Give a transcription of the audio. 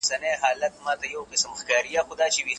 علامه رشاد یو لوی افغان عالم وو چې نوم یې ابدي دی.